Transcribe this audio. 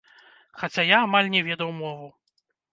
Хаця я амаль не ведаў мову.